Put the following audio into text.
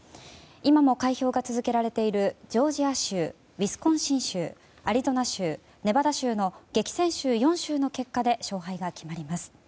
今も開票が続けられているジョージア州ウィスコンシン州アリゾナ州、ネバダ州の激戦州４州の結果で勝敗が決まります。